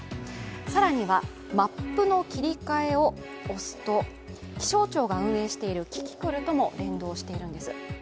更にはマップの切り替えを押すと、気象庁が運営しているキキクルとも連動しているんです。